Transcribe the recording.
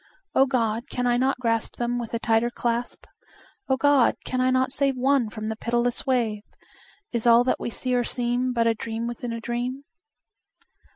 O God! can I not grasp Them with a tighter clasp? O God! can I not save One from the pitiless wave? Is all that we see or seem But a dream within a dream?